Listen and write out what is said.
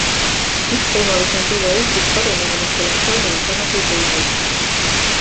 Üks võimalus on tuua Eestist kaduma läinud kollektsioonile sarnaseid rõivad.